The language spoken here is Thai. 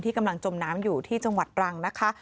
กำลังจมน้ำอยู่ที่จังหวัดตรังนะคะ